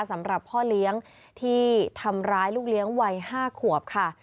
สำหรับพ่อเลี้ยงที่ทำร้ายลูกเลี้ยงวัย๕ขวบค่ะ